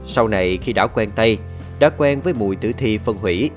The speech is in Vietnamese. sau này khi đảo quen tây đã quen với mùi tử thi phân hủy